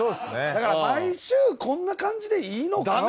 だから毎週こんな感じでいいのかもね。